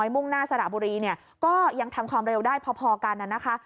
มุ่งหน้าสระบุรีเนี่ยก็ยังทำความเร็วได้พอกันนะคะ